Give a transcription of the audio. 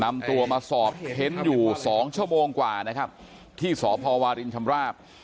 นำตัวมาสอบเข็นอยู่๒ชั่วโมงกว่าที่สภวาลินชำราบ